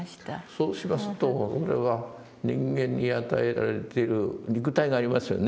そうしますとそれは人間に与えられている肉体がありますよね。